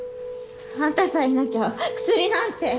あんたさえいなきゃ薬なんて。